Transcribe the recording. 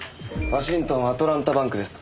ワシントン・アトランタ・バンクです。